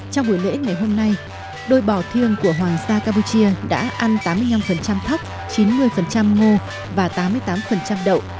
trong buổi lễ ngày hôm nay đôi bò thiêng của hoàng gia campuchia đã ăn tám mươi năm thóc chín mươi ngô và tám mươi tám đậu